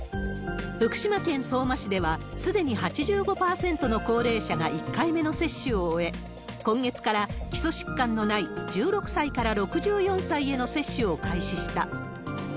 福島県相馬市では、すでに８５％の高齢者が１回目の接種を終え、今月から、基礎疾患のない１６歳から６４歳への接種を開始した。